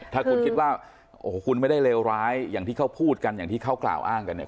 ถ้าคุณคิดว่าโอ้โหคุณไม่ได้เลวร้ายอย่างที่เขาพูดกันอย่างที่เขากล่าวอ้างกันเนี่ย